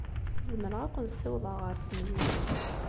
Zemreɣ ad ken-ssiwḍeɣ ɣer temdint.